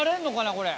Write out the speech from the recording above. これ。